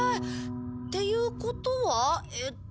っていうことはえっと？